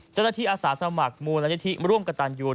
เจ้าหน้าที่อาสาสมัครมูลนัยที่ร่วมกับตันยูน